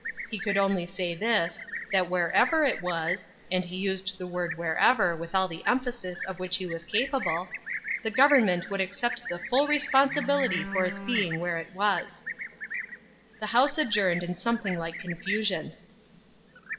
He could only say this, that wherever it was, and he used the word wherever with all the emphasis of which he was capable, the Government would accept the full responsibility for its being where it was. The House adjourned in something like confusion.